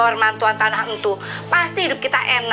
lu kenapa sih tan